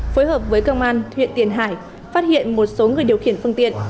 phối hợp với công an huyện tiền hải phát hiện một số người điều khiển phương tiện